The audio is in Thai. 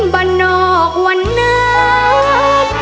มันออกวันนั้น